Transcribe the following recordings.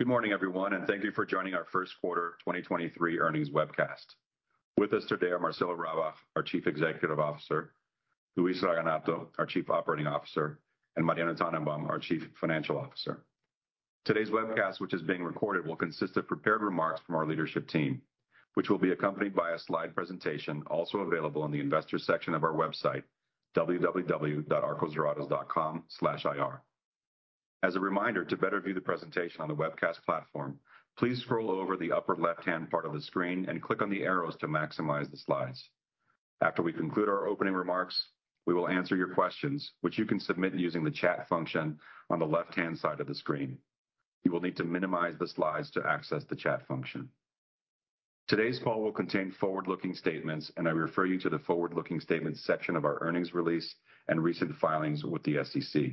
Good morning everyone. Thank you for joining our first quarter 2023 earnings webcast. With us today are Marcelo Rabach, our Chief Executive Officer, Luis Raganato, our Chief Operating Officer, and Mariano Tannenbaum, our Chief Financial Officer. Today's webcast, which is being recorded, will consist of prepared remarks from our leadership team, which will be accompanied by a slide presentation also available on the investor section of our website www.arcosdorados.com/ir. As a reminder, to better view the presentation on the webcast platform, please scroll over the upper left-hand part of the screen and click on the arrows to maximize the slides. After we conclude our opening remarks, we will answer your questions, which you can submit using the chat function on the left-hand side of the screen. You will need to minimize the slides to access the chat function. Today's call will contain forward-looking statements, and I refer you to the forward-looking statements section of our earnings release and recent filings with the SEC.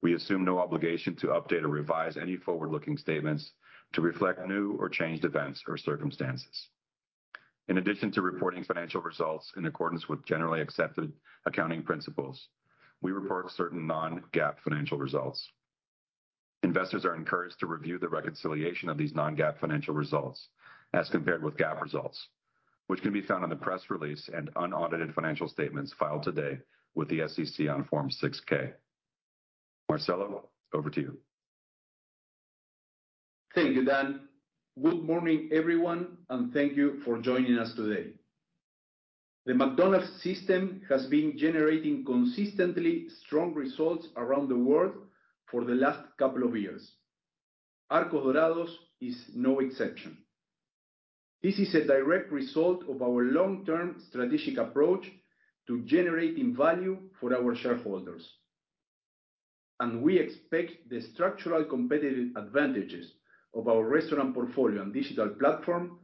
We assume no obligation to update or revise any forward-looking statements to reflect new or changed events or circumstances. In addition to reporting financial results in accordance with generally accepted accounting principles, we report certain non-GAAP financial results. Investors are encouraged to review the reconciliation of these non-GAAP financial results as compared with GAAP results, which can be found in the press release and unaudited financial statements filed today with the SEC on Form 6-K. Marcelo, over to you. Thank you, Dan. Good morning everyone, and thank you for joining us today. The McDonald's system has been generating consistently strong results around the world for the last couple of years. Arcos Dorados is no exception. This is a direct result of our long-term strategic approach to generating value for our shareholders. We expect the structural competitive advantages of our restaurant portfolio and digital platform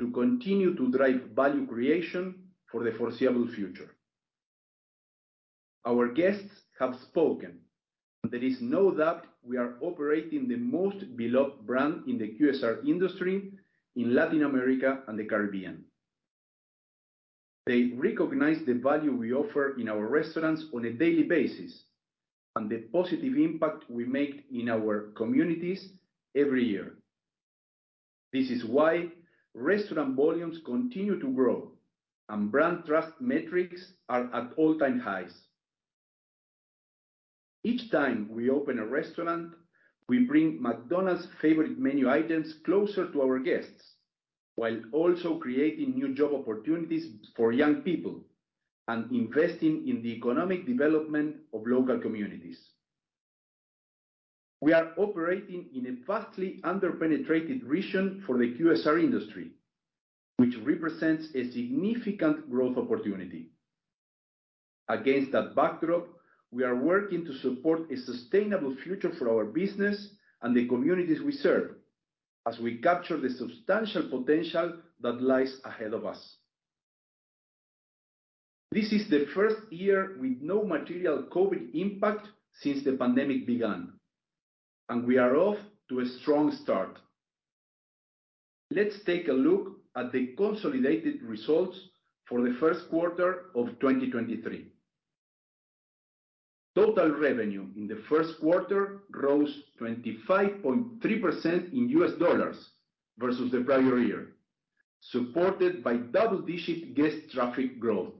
to continue to drive value creation for the foreseeable future. Our guests have spoken. There is no doubt we are operating the most beloved brand in the QSR industry in Latin America and the Caribbean. They recognize the value we offer in our restaurants on a daily basis and the positive impact we make in our communities every year. This is why restaurant volumes continue to grow and brand trust metrics are at all-time highs. Each time we open a restaurant, we bring McDonald's favorite menu items closer to our guests, while also creating new job opportunities for young people and investing in the economic development of local communities. We are operating in a vastly under-penetrated region for the QSR industry, which represents a significant growth opportunity. Against that backdrop, we are working to support a sustainable future for our business and the communities we serve as we capture the substantial potential that lies ahead of us. This is the first year with no material COVID impact since the pandemic began, and we are off to a strong start. Let's take a look at the consolidated results for the first quarter of 2023. Total revenue in the first quarter rose 25.3% in US dollars versus the prior year, supported by double-digit guest traffic growth.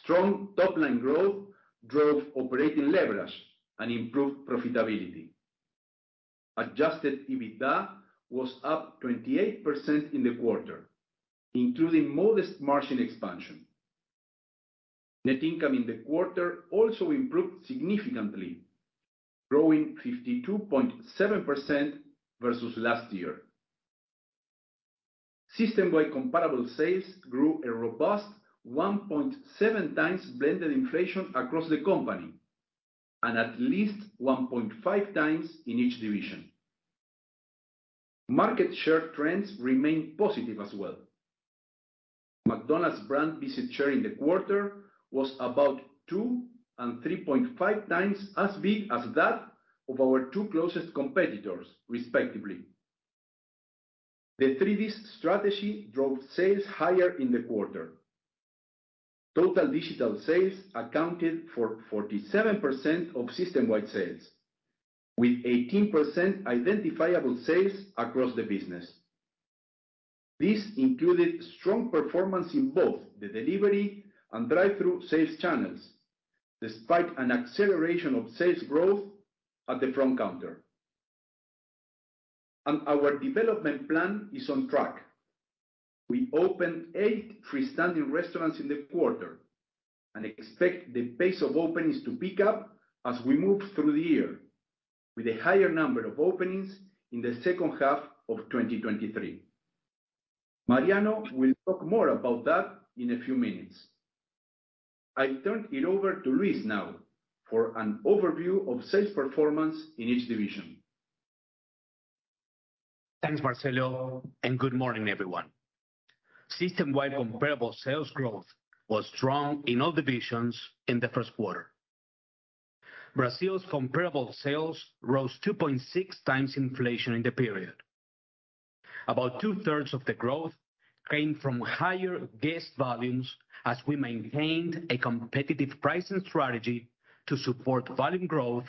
Strong top-line growth drove operating leverage and improved profitability. Adjusted EBITDA was up 28% in the quarter, including modest margin expansion. Net income in the quarter also improved significantly, growing 52.7% versus last year. System-wide comparable sales grew a robust 1.7 times blended inflation across the company, and at least 1.5 times in each division. Market share trends remained positive as well. McDonald's brand visit share in the quarter was about two and 3.5 times as big as that of our two closest competitors, respectively. The 3D Strategy drove sales higher in the quarter. Total digital sales accounted for 47% of system-wide sales, with 18% identifiable sales across the business. This included strong performance in both the delivery and drive-thru sales channels, despite an acceleration of sales growth at the front counter. Our development plan is on track. We opened eight freestanding restaurants in the quarter and expect the pace of openings to pick up as we move through the year, with a higher number of openings in the second half of 2023. Mariano will talk more about that in a few minutes. I turn it over to Luis now for an overview of sales performance in each division. Thanks, Marcelo. Good morning everyone. System-wide comparable sales growth was strong in all divisions in the first quarter. Brazil's comparable sales rose 2.6 times inflation in the period. About two thirds of the growth came from higher guest volumes as we maintained a competitive pricing strategy to support volume growth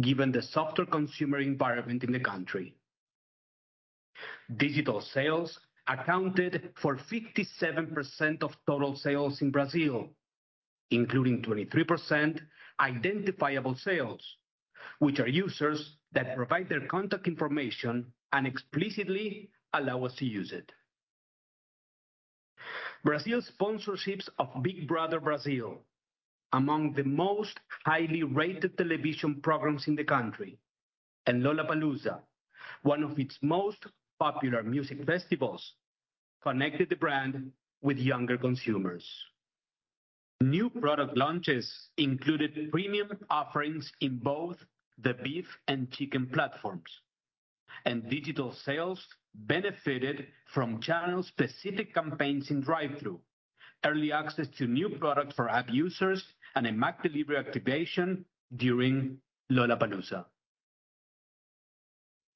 given the softer consumer environment in the country. Digital sales accounted for 57% of total sales in Brazil, including 23% identifiable sales, which are users that provide their contact information and explicitly allow us to use it. Brazil sponsorships of Big Brother Brasil, among the most highly rated television programs in the country, and Lollapalooza, one of its most popular music festivals, connected the brand with younger consumers. New product launches included premium offerings in both the beef and chicken platforms, and digital sales benefited from channel-specific campaigns in drive-thru, early access to new products for app users, and a McDelivery activation during Lollapalooza.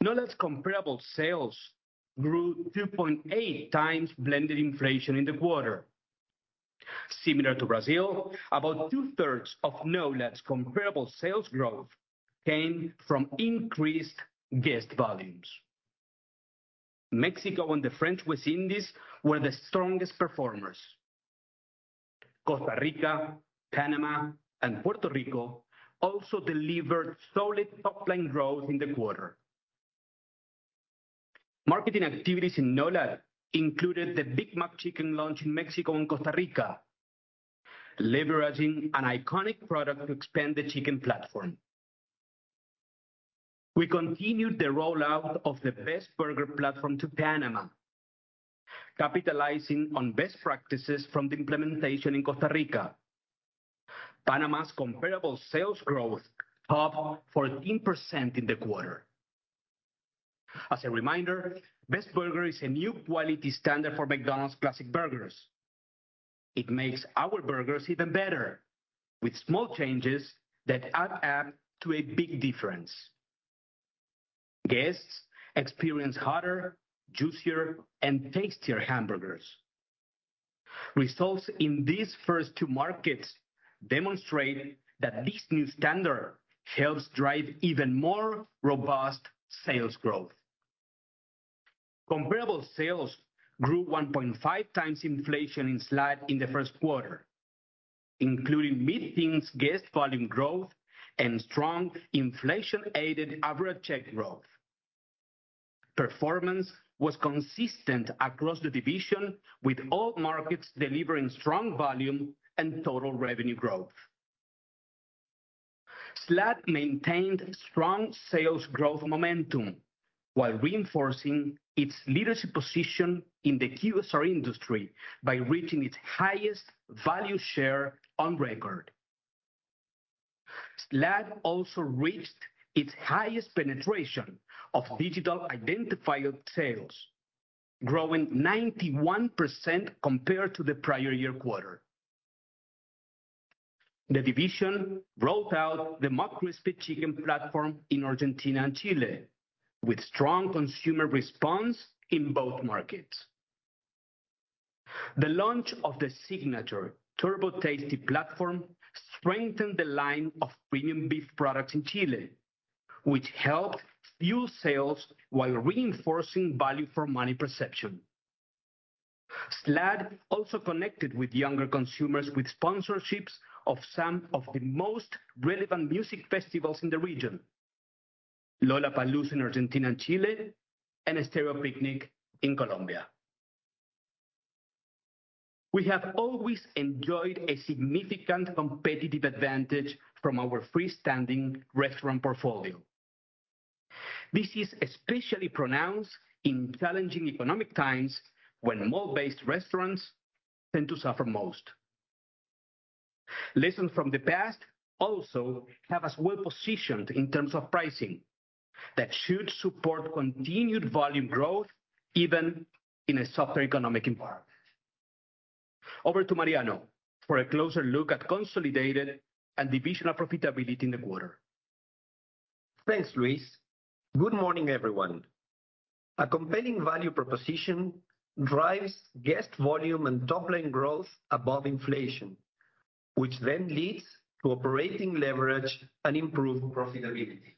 NOLAD comparable sales grew 2.8 times blended inflation in the quarter. Similar to Brazil, about 2/3 of NOLAD comparable sales growth came from increased guest volumes. Mexico and the French West Indies were the strongest performers. Costa Rica, Panama, and Puerto Rico also delivered solid top-line growth in the quarter. Marketing activities in NOLAD included the Big Mac Chicken launch in Mexico and Costa Rica, leveraging an iconic product to expand the chicken platform. We continued the rollout of the Best Burger platform to Panama, capitalizing on best practices from the implementation in Costa Rica. Panama's comparable sales growth up 14% in the quarter. As a reminder, Best Burger is a new quality standard for McDonald's classic burgers. It makes our burgers even better, with small changes that add up to a big difference. Guests experience hotter, juicier, and tastier hamburgers. Results in these first two markets demonstrate that this new standard helps drive even more robust sales growth. Comparable sales grew 1.5 times inflation in SLAD in the first quarter, including mid-teens guest volume growth and strong inflation-aided average check growth. Performance was consistent across the division, with all markets delivering strong volume and total revenue growth. SLAD maintained strong sales growth momentum while reinforcing its leadership position in the QSR industry by reaching its highest value share on record. SLAD also reached its highest penetration of digital identified sales, growing 91% compared to the prior year quarter. The division rolled out the McCrispy Chicken platform in Argentina and Chile with strong consumer response in both markets. The launch of the signature McTasty platform strengthened the line of premium beef products in Chile, which helped fuel sales while reinforcing value for money perception. SLAD also connected with younger consumers with sponsorships of some of the most relevant music festivals in the region, Lollapalooza in Argentina and Chile, and Estéreo Picnic in Colombia. We have always enjoyed a significant competitive advantage from our freestanding restaurant portfolio. This is especially pronounced in challenging economic times when mall-based restaurants tend to suffer most. Lessons from the past also have us well-positioned in terms of pricing that should support continued volume growth, even in a softer economic environment. Over to Mariano for a closer look at consolidated and divisional profitability in the quarter. Thanks, Luis. Good morning, everyone. A compelling value proposition drives guest volume and top-line growth above inflation, which then leads to operating leverage and improved profitability.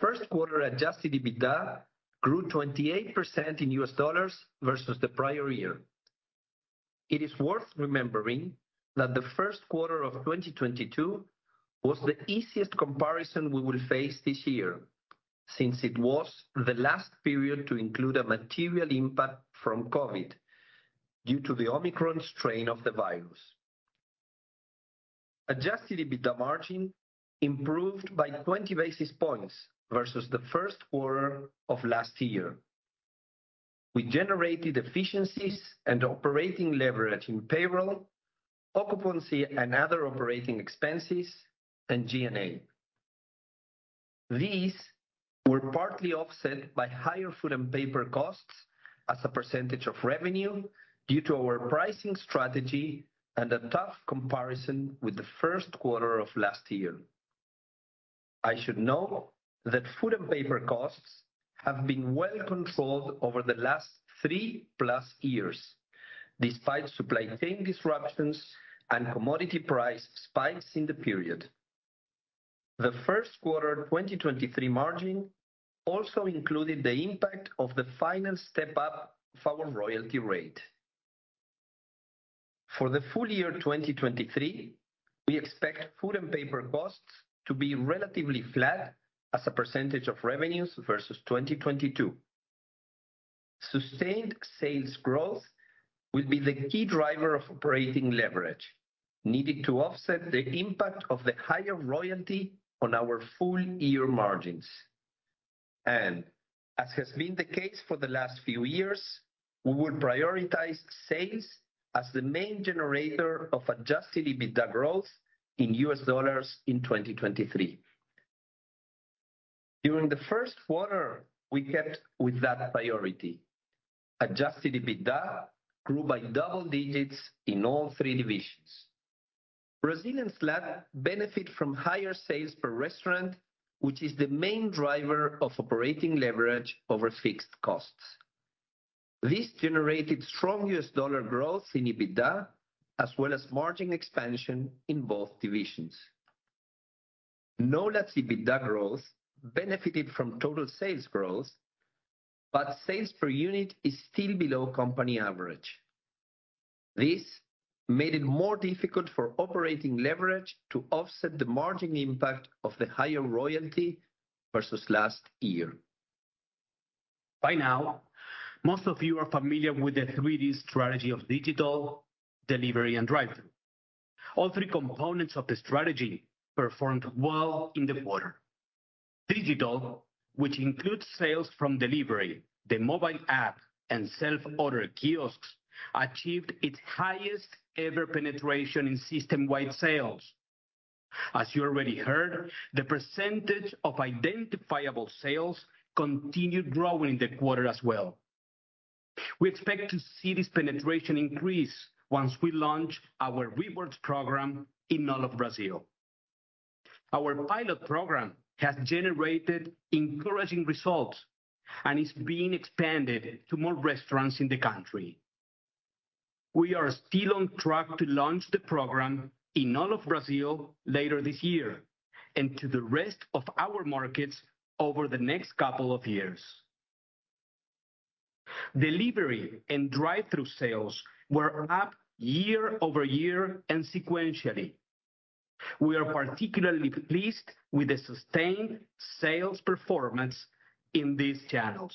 First quarter Adjusted EBITDA grew 28% in U.S. dollars versus the prior year. It is worth remembering that the first quarter of 2022 was the easiest comparison we will face this year since it was the last period to include a material impact from COVID due to the Omicron strain of the virus. Adjusted EBITDA margin improved by 20 basis points versus the first quarter of last year. We generated efficiencies and operating leverage in payroll, occupancy, and other operating expenses, and G&A. These were partly offset by higher food and paper costs as a percentage of revenue due to our pricing strategy and a tough comparison with the first quarter of last year. I should note that food and paper costs have been well controlled over the last 3+ years, despite supply chain disruptions and commodity price spikes in the period. The first quarter 2023 margin also included the impact of the final step up of our royalty rate. For the full year 2023, we expect food and paper costs to be relatively flat as a percentage of revenues versus 2022. Sustained sales growth will be the key driver of operating leverage needed to offset the impact of the higher royalty on our full year margins. As has been the case for the last few years, we will prioritize sales as the main generator of Adjusted EBITDA growth in US dollars in 2023. During the first quarter, we kept with that priority. Adjusted EBITDA grew by double digits in all three divisions. Brazil and SLAD benefit from higher sales per restaurant, which is the main driver of operating leverage over fixed costs. This generated strong US dollar growth in EBITDA as well as margin expansion in both divisions. NOLAD EBITDA growth benefited from total sales growth, but sales per unit is still below company average. This made it more difficult for operating leverage to offset the margin impact of the higher royalty versus last year. By now, most of you are familiar with the 3D Strategy of digital, delivery, and drive-thru. All three components of the strategy performed well in the quarter. Digital, which includes sales from delivery, the mobile app, and self-order kiosks, achieved its highest ever penetration in system-wide sales. As you already heard, the percentage of identifiable sales continued growing in the quarter as well. We expect to see this penetration increase once we launch our rewards program in all of Brazil. Our pilot program has generated encouraging results and is being expanded to more restaurants in the country. We are still on track to launch the program in all of Brazil later this year and to the rest of our markets over the next couple of years. Delivery and drive-thru sales were up year-over-year and sequentially. We are particularly pleased with the sustained sales performance in these channels,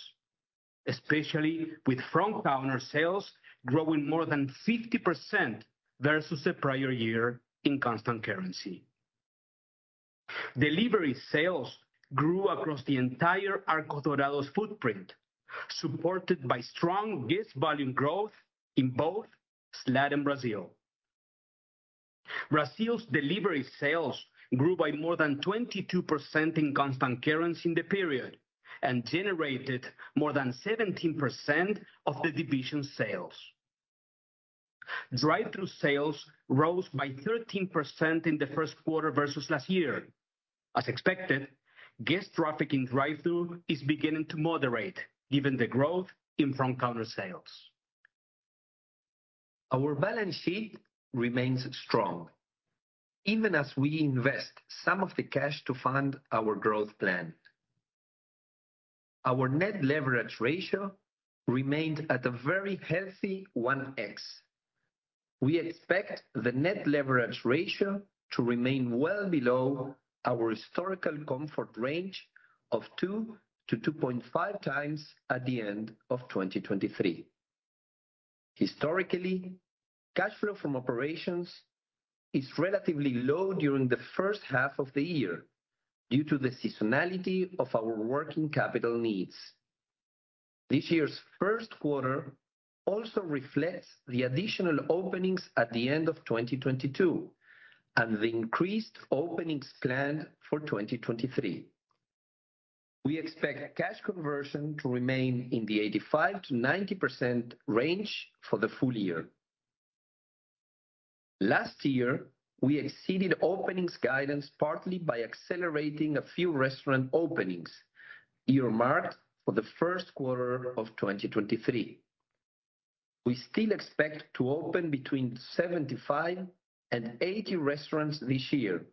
especially with front counter sales growing more than 50% versus the prior year in constant currency. Delivery sales grew across the entire Arcos Dorados footprint, supported by strong guest volume growth in both SLAD and Brazil. Brazil's delivery sales grew by more than 22% in constant currency in the period and generated more than 17% of the division's sales. Drive-thru sales rose by 13% in the first quarter versus last year. As expected, guest traffic in Drive-thru is beginning to moderate given the growth in front counter sales. Our balance sheet remains strong, even as we invest some of the cash to fund our growth plan. Our net leverage ratio remained at a very healthy 1x. We expect the net leverage ratio to remain well below our historical comfort range of 2x-2.5x at the end of 2023. Historically, cash flow from operations is relatively low during the first half of the year due to the seasonality of our working capital needs. This year's first quarter also reflects the additional openings at the end of 2022 and the increased openings planned for 2023. We expect cash conversion to remain in the 85%-90% range for the full year. Last year, we exceeded openings guidance partly by accelerating a few restaurant openings earmarked for the first quarter of 2023. We still expect to open between 75 and 80 restaurants this year,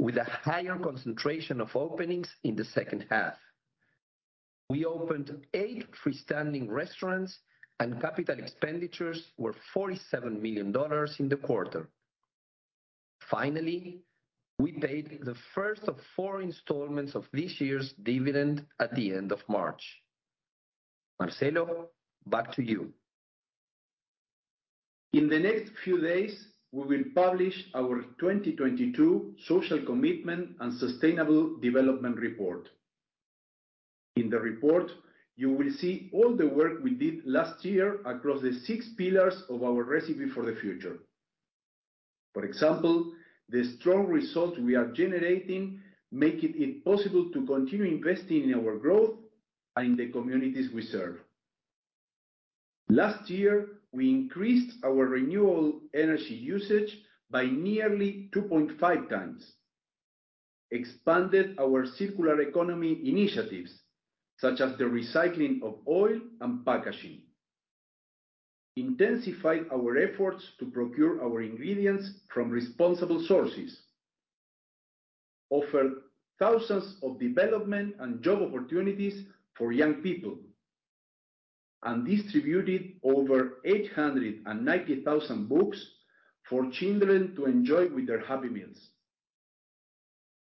with a higher concentration of openings in the second half. We opened eight freestanding restaurants, and capital expenditures were $47 million in the quarter. Finally, we paid the first of four installments of this year's dividend at the end of March. Marcelo, back to you. In the next few days, we will publish our 2022 social commitment and sustainable development report. In the report, you will see all the work we did last year across the six pillars of our Recipe for the Future. The strong results we are generating making it possible to continue investing in our growth and in the communities we serve. Last year, we increased our renewal energy usage by nearly 2.5 times, expanded our circular economy initiatives, such as the recycling of oil and packaging, intensified our efforts to procure our ingredients from responsible sources, offered thousands of development and job opportunities for young people, and distributed over 890,000 books for children to enjoy with their Happy Meals.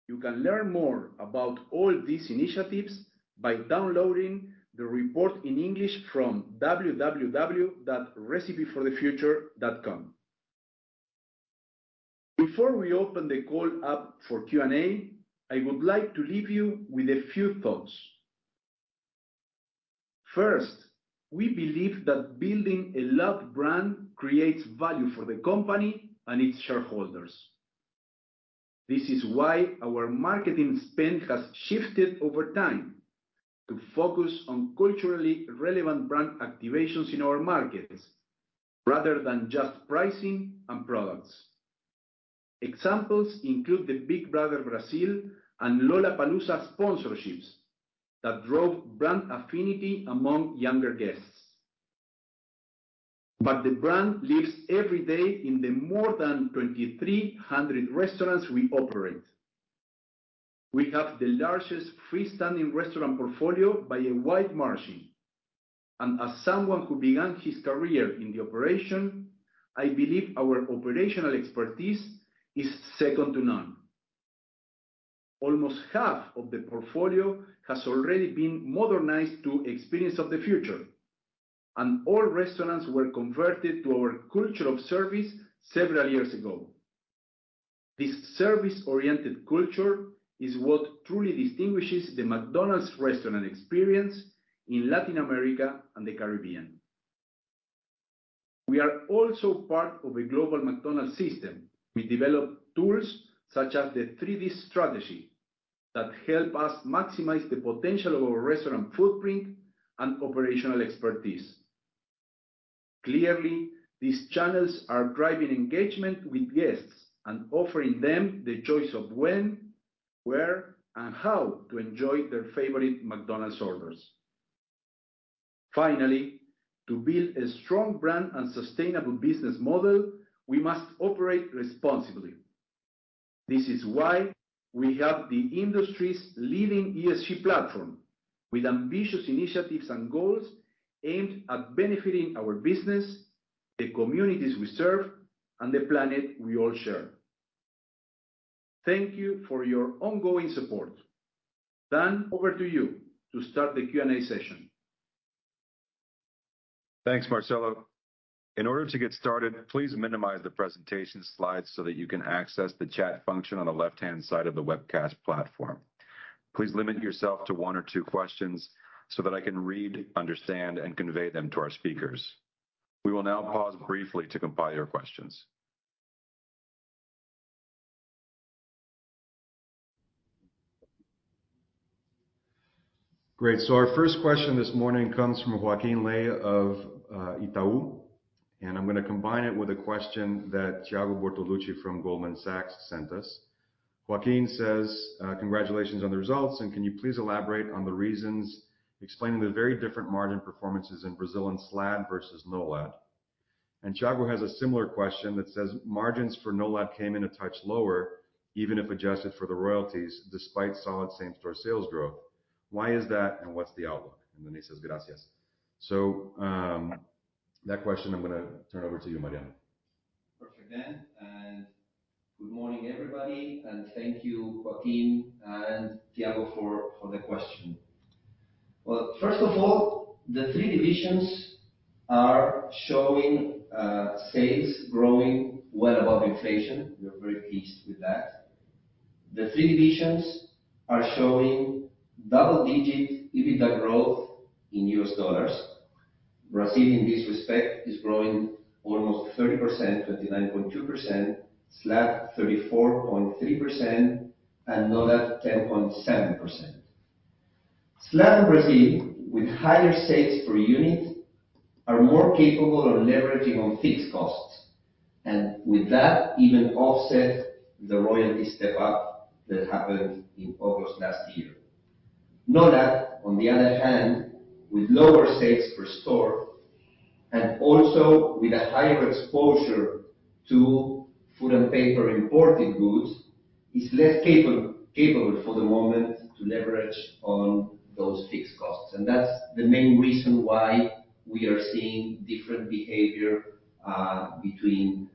You can learn more about all these initiatives by downloading the report in English from www.recipeforthefuture.com. Before we open the call up for Q&A, I would like to leave you with a few thoughts. First, we believe that building a loved brand creates value for the company and its shareholders. This is why our marketing spend has shifted over time to focus on culturally relevant brand activations in our markets rather than just pricing and products. Examples include the Big Brother Brasil and Lollapalooza sponsorships that drove brand affinity among younger guests. The brand lives every day in the more than 2,300 restaurants we operate. We have the largest freestanding restaurant portfolio by a wide margin, and as someone who began his career in the operation, I believe our operational expertise is second to none. Almost half of the portfolio has already been modernized to Experience of the Future, and all restaurants were converted to our culture of service several years ago. This service-oriented culture is what truly distinguishes the McDonald's restaurant experience in Latin America and the Caribbean. We are also part of a global McDonald's system. We develop tools such as the 3D Strategy that help us maximize the potential of our restaurant footprint and operational expertise. Clearly, these channels are driving engagement with guests and offering them the choice of when, where, and how to enjoy their favorite McDonald's orders. Finally, to build a strong brand and sustainable business model, we must operate responsibly. This is why we have the industry's leading ESG platform with ambitious initiatives and goals aimed at benefiting our business, the communities we serve, and the planet we all share. Thank you for your ongoing support. Dan, over to you to start the Q&A session. Thanks, Marcelo. In order to get started, please minimize the presentation slides so that you can access the chat function on the left-hand side of the webcast platform. Please limit yourself to one or two questions so that I can read, understand, and convey them to our speakers. We will now pause briefly to compile your questions. Great. Our first question this morning comes from Joaquin Ley of Itaú, and I'm gonna combine it with a question that Thiago Bortoluci from Goldman Sachs sent us. Joaquin says, "Congratulations on the results, and can you please elaborate on the reasons explaining the very different margin performances in Brazil and SLAD versus NOLAD?" Thiago has a similar question that says, "Margins for NOLAD came in a touch lower, even if adjusted for the royalties despite solid same-store sales growth. Why is that, and what's the outlook?" Then he says, "Gracias." That question I'm gonna turn over to you, Mariano. Perfect, Dan. Good morning, everybody, and thank you, Joaquin and Thiago for the question. Well, first of all, the three divisions are showing sales growing well above inflation. We are very pleased with that. The three divisions are showing double-digit EBITDA growth in US dollars. Brazil, in this respect, is growing almost 30%, 29.2%. SLAD, 34.3% and NOLAD 10.7%. SLAD and Brazil with higher sales per unit are more capable of leveraging on fixed costs, and with that even offset the royalty step up that happened in August last year. NOLAD, on the other hand, with lower sales per store and also with a higher exposure to food and paper imported goods, is less capable for the moment to leverage on those fixed costs. That's the main reason why we are seeing different behavior between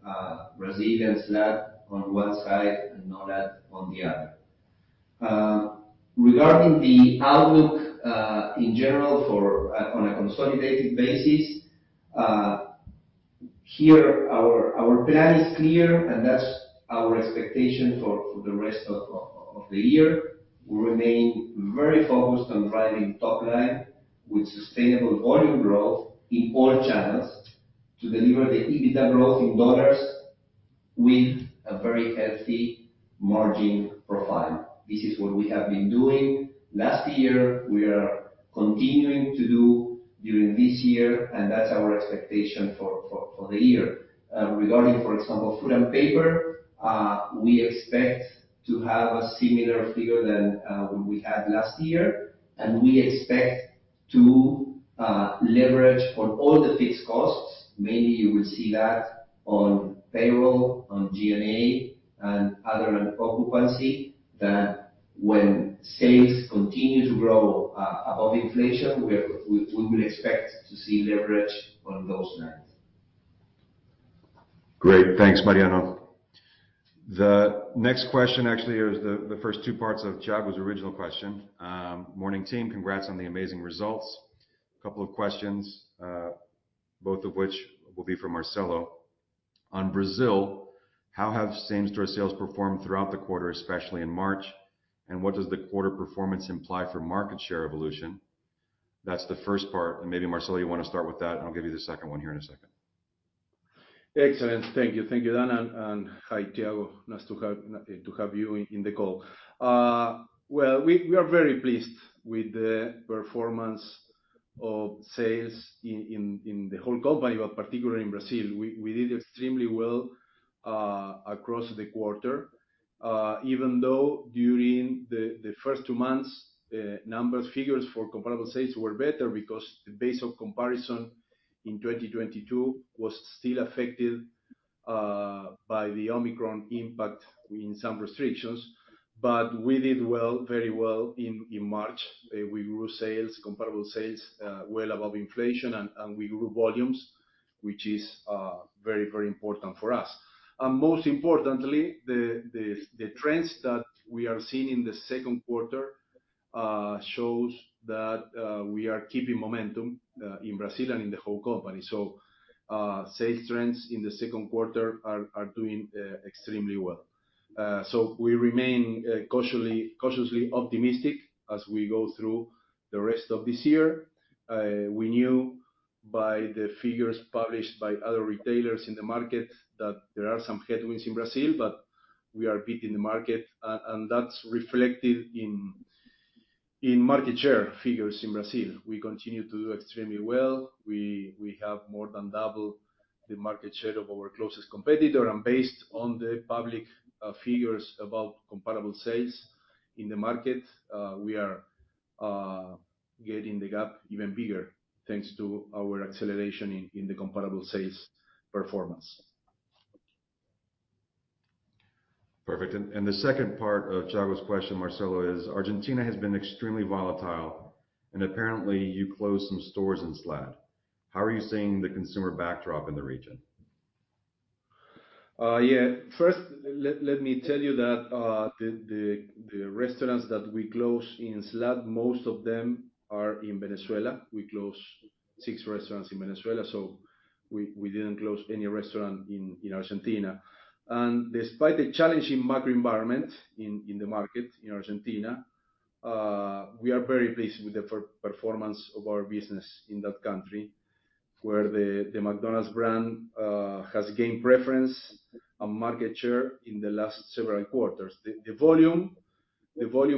Brazil and SLAD on one side and NOLAD on the other. Regarding the outlook, in general for on a consolidated basis, here our plan is clear, and that's our expectation for the rest of the year. We remain very focused on driving top line With sustainable volume growth in all channels to deliver the EBITDA growth in dollars with a very healthy margin profile. This is what we have been doing last year, we are continuing to do during this year, and that's our expectation for the year. Regarding, for example, food and paper, we expect to have a similar figure than what we had last year, and we expect to leverage on all the fixed costs. Mainly, you will see that on payroll, on G&A, and other than occupancy, that when sales continue to grow above inflation, we will expect to see leverage on those lines. Great. Thanks, Mariano. The next question actually is the first two parts of Thiago's original question. Morning team, congrats on the amazing results. Couple of questions, both of which will be for Marcelo. On Brazil, how have same-store sales performed throughout the quarter, especially in March? What does the quarter performance imply for market share evolution? That's the first part, maybe Marcelo, you wanna start with that, and I'll give you the second one here in a second. Excellent. Thank you. Thank you, Dan. Hi, Tiago. Nice to have you in the call. Well, we are very pleased with the performance of sales in the whole company, particularly in Brazil. We did extremely well across the quarter. Even though during the first two months, numbers, figures for comparable sales were better because the base of comparison in 2022 was still affected by the Omicron impact in some restrictions. We did well, very well in March. We grew sales, comparable sales, well above inflation, and we grew volumes, which is very, very important for us. Most importantly, the trends that we are seeing in the second quarter shows that we are keeping momentum in Brazil and in the whole company. Sales trends in the second quarter are doing extremely well. We remain cautiously optimistic as we go through the rest of this year. We knew by the figures published by other retailers in the market that there are some headwinds in Brazil, but we are beating the market. That's reflected in market share figures in Brazil. We continue to do extremely well. We have more than double the market share of our closest competitor. Based on the public figures about comparable sales in the market, we are getting the gap even bigger, thanks to our acceleration in the comparable sales performance. Perfect. The second part of Thiago question, Marcelo, is Argentina has been extremely volatile, and apparently you closed some stores in SLAD. How are you seeing the consumer backdrop in the region? Yeah. First, let me tell you that the restaurants that we closed in SLAD, most of them are in Venezuela. We closed 6 restaurants in Venezuela, so we didn't close any restaurant in Argentina. Despite the challenging macro environment in the market in Argentina, we are very pleased with the performance of our business in that country, where the McDonald's brand has gained preference and market share in the last several quarters. The volume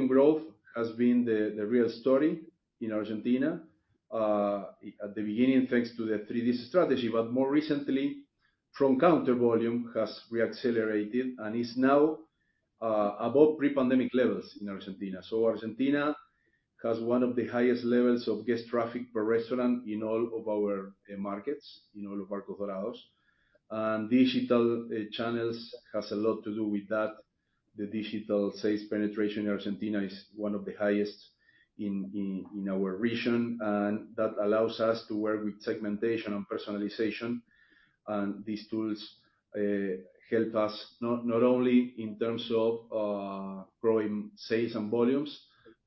growth has been the real story in Argentina. At the beginning, thanks to the 3D Strategy, but more recently, front counter volume has re-accelerated and is now above pre-pandemic levels in Argentina. Argentina has one of the highest levels of guest traffic per restaurant in all of our markets, in all of Arcos Dorados. Digital channels has a lot to do with that. The digital sales penetration in Argentina is one of the highest in our region, and that allows us to work with segmentation and personalization. These tools help us not only in terms of growing sales and volumes,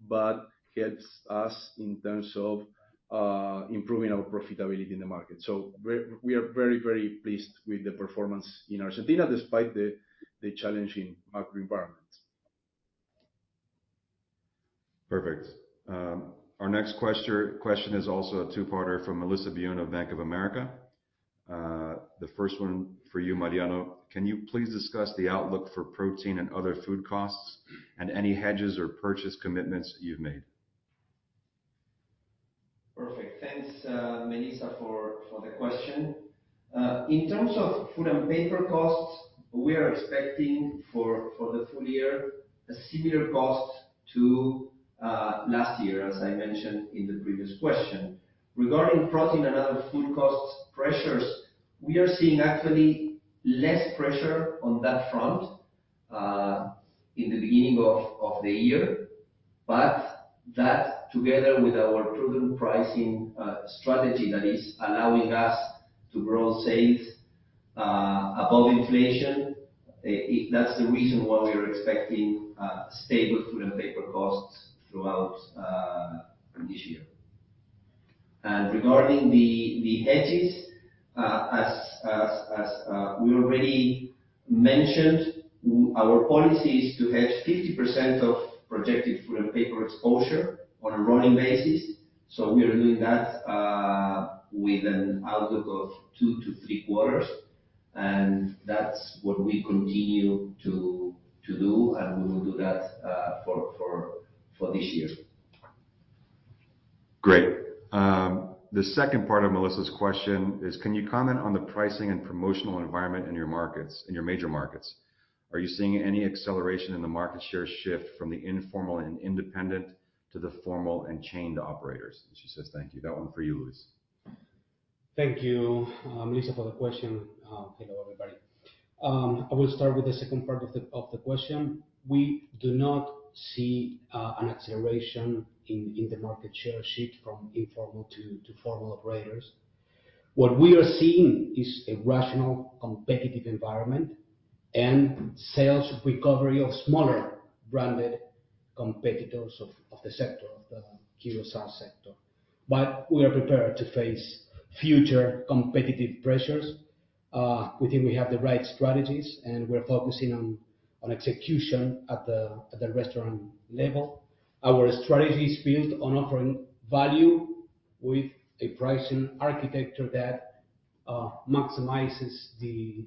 but helps us in terms of improving our profitability in the market. We are very pleased with the performance in Argentina, despite the challenging macro environment. Perfect. Our next question is also a two-parter from Melissa Byun of Bank of America. The first one for you, Mariano. Can you please discuss the outlook for protein and other food costs and any hedges or purchase commitments you've made? Perfect. Thanks, Melissa for the question. In terms of food and paper costs, we are expecting for the full year, a similar cost to last year, as I mentioned in the previous question. Regarding protein and other food cost pressures, we are seeing actually less pressure on that front in the beginning of the year. That together with our prudent pricing strategy that is allowing us to grow sales above inflation, that's the reason why we are expecting stable food and paper costs throughout this year. Regarding the hedges, as we already mentioned, our policy is to hedge 50% of projected foreign paper exposure on a running basis. We are doing that, with an outlook of two to three quarters, and that's what we continue to do, and we will do that, for this year. Great. The second part of Melissa's question is: Can you comment on the pricing and promotional environment in your markets, in your major markets? Are you seeing any acceleration in the market share shift from the informal and independent to the formal and chained operators? She says, "Thank you." That one for you, Luis. Thank you, Lisa, for the question. Hello, everybody. I will start with the second part of the question. We do not see an acceleration in the market share shift from informal to formal operators. What we are seeing is a rational, competitive environment and sales recovery of smaller branded competitors of the sector, of the QSR sector. We are prepared to face future competitive pressures. We think we have the right strategies, and we're focusing on execution at the restaurant level. Our strategy is built on offering value with a pricing architecture that maximizes the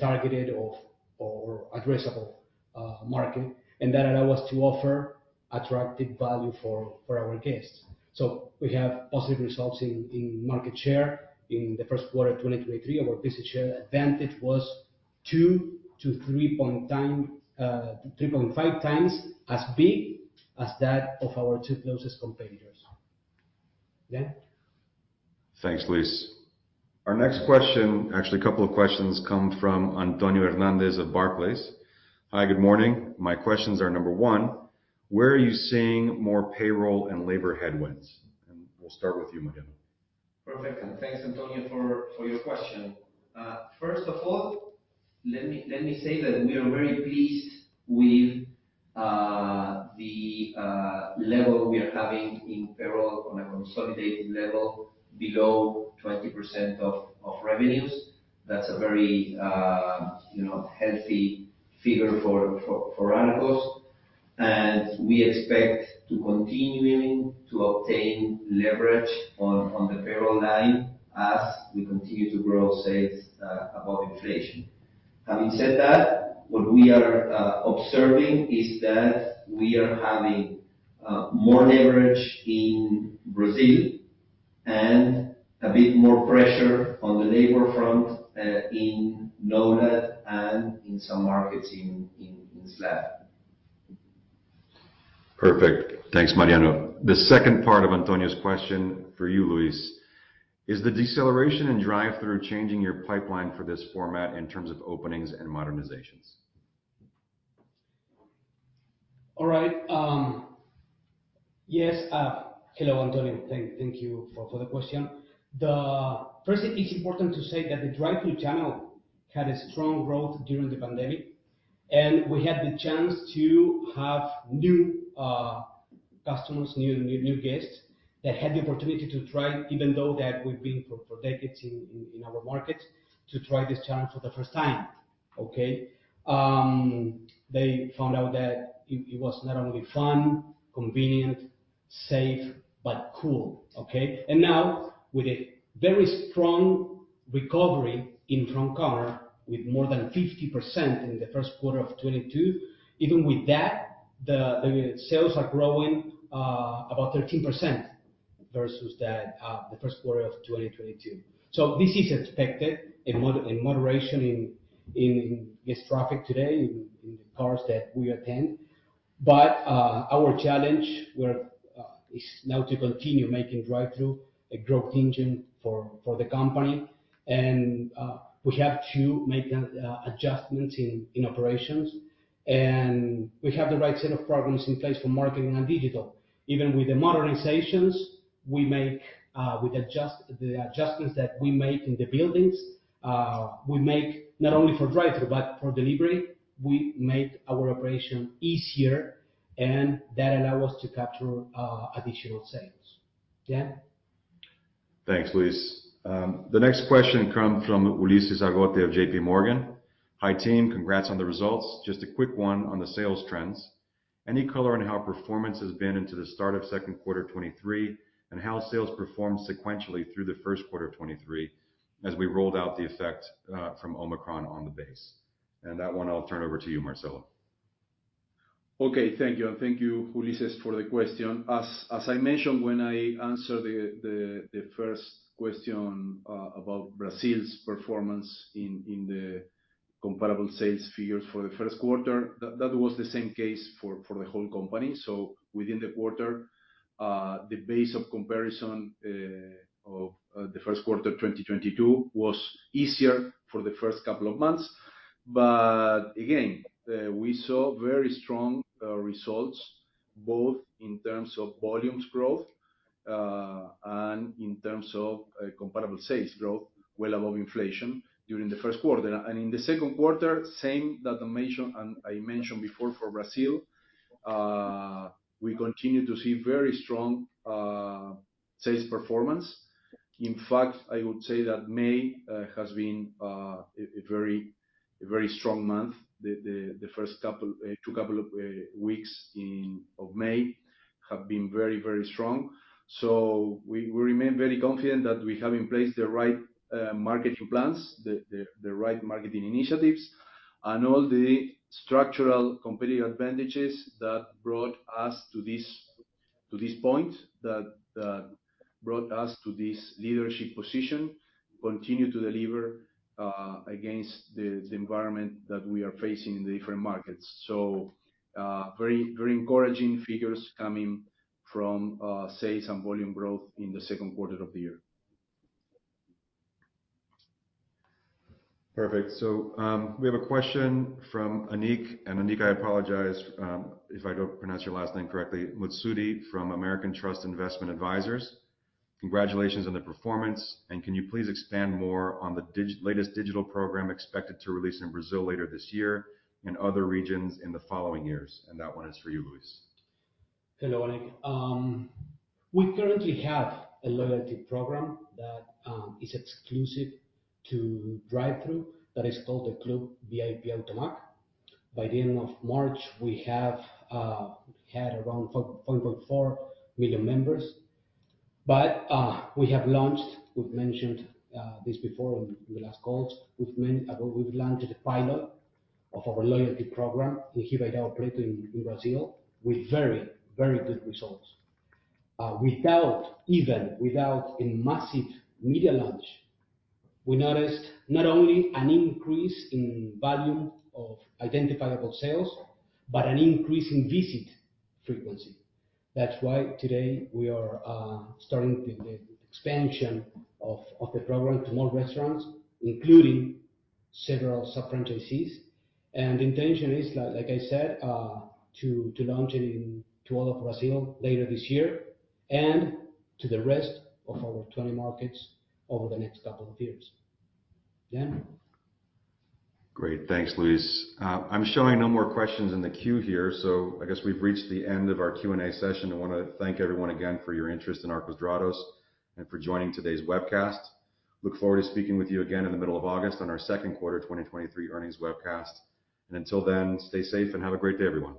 targeted of or addressable market, and that allow us to offer attractive value for our guests. We have positive results in market share. In the first quarter of 2023, our visit share advantage was 3.5 times as big as that of our two closest competitors. Dan? Thanks, Luis. Our next question, actually, a couple of questions come from Antonio Hernandez of Barclays. Hi, good morning. My questions are, number one: Where are you seeing more payroll and labor headwinds? We'll start with you, Mariano. Perfect. Thanks, Antonio, for your question. First of all, let me say that we are very pleased with the level we are having in payroll on a consolidated level below 20% of revenues. That's a very, you know, healthy figure for our costs. We expect to continuing to obtain leverage on the payroll line as we continue to grow sales above inflation. Having said that, what we are observing is that we are having more leverage in Brazil and a bit more pressure on the labor front in NOLAD and in some markets in SLAD. Perfect. Thanks, Mariano. The second part of Antonio's question for you, Luis. Is the deceleration in drive-thru changing your pipeline for this format in terms of openings and modernizations? All right. Yes. Hello, Antonio. Thank you for the question. First, it is important to say that the drive-thru channel had a strong growth during the pandemic, and we had the chance to have new customers, new guests that had the opportunity to try, even though that we've been for decades in our markets, to try this channel for the first time, okay? They found out that it was not only fun, convenient, safe, but cool, okay? Now, with a very strong recovery in front counter with more than 50% in the first quarter of 2022, even with that, the sales are growing about 13% versus that, the first quarter of 2022. This is expected, a moderation in guest traffic today in the cars that we attend. Our challenge is now to continue making Drive-thru a growth engine for the company. We have to make adjustments in operations, and we have the right set of programs in place for marketing and digital. Even with the modernizations we make, with the adjustments that we make in the buildings, we make not only for Drive-thru, but for Delivery, we make our operation easier, and that allow us to capture, additional sales. Dan? Thanks, Luis. The next question come from Ulisses Aragone of JP Morgan. Hi, team. Congrats on the results. Just a quick one on the sales trends. Any color on how performance has been into the start of second quarter 2023, and how sales performed sequentially through the first quarter of 2023 as we rolled out the effect from Omicron on the base? That one I'll turn over to you, Marcelo. Thank you. Thank you, Ulisses, for the question. As I mentioned, when I answered the 1st question about Brazil's performance in the comparable sales figures for the 1st quarter, that was the same case for the whole company. Within the quarter, the base of comparison of the 1st quarter of 2022 was easier for the 1st couple of months. Again, we saw very strong results both in terms of volumes growth and in terms of comparable sales growth well above inflation during the 1st quarter. In the 2nd quarter, same that I mentioned before for Brazil, we continue to see very strong. Sales performance. In fact, I would say that May has been a very strong month. The first couple, two couple of weeks of May have been very strong. We remain very confident that we have in place the right marketing plans, the right marketing initiatives, and all the structural competitive advantages that brought us to this point, that brought us to this leadership position, continue to deliver against the environment that we are facing in the different markets. Very encouraging figures coming from sales and volume growth in the second quarter of the year. Perfect. We have a question from Anik Mutsuddy from American Trust. "Congratulations on the performance, can you please expand more on the latest digital program expected to release in Brazil later this year and other regions in the following years?" That one is for you, Luis. Hello, Anik. We currently have a loyalty program that is exclusive to drive-thru that is called the Club VIP AutoMac. By the end of March, we have had around 4.4 million members. We have launched, we've mentioned this before in the last calls. We've launched a pilot of our loyalty program in Jequitinhonha, in Brazil, with very, very good results. Without a massive media launch, we noticed not only an increase in volume of identifiable sales, but an increase in visit frequency. That's why today we are starting the expansion of the program to more restaurants, including several franchisees. The intention is like I said, to launch it in to all of Brazil later this year and to the rest of our 20 markets over the next couple of years. Dan? Great. Thanks, Luis. I'm showing no more questions in the queue here, so I guess we've reached the end of our Q&A session. I wanna thank everyone again for your interest in Arcos Dorados and for joining today's webcast. Look forward to speaking with you again in the middle of August on our second quarter 2023 earnings webcast. Until then, stay safe and have a great day, everyone.